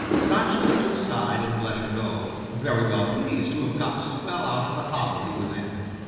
Sancho stood aside and let her go, very well pleased to have got so well out of the hobble he was in.